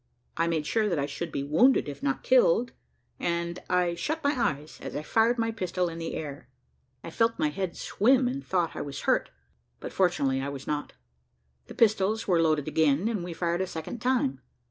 I made sure that I should be wounded, if not killed, and I shut my eyes as I fired my pistol in the air. I felt my head swim, and thought I was hurt, but fortunately I was not. The pistols were loaded again, and we fired a second time.